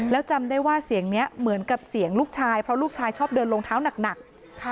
แล้วจำได้ว่าเสียงนี้เหมือนกับเสียงลูกชายเพราะลูกชายชอบเดินลงเท้าหนัก